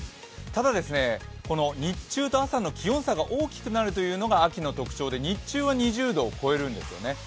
ただ、日中と朝の気温差が大きくなるのが晶紀の特長で日中は２０度を超えるんですね。